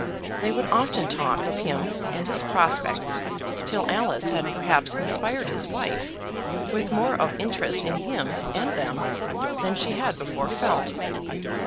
They would often talk of him and his prospects till Alice had perhaps inspired his wife with more of interest in him and them than she had before felt.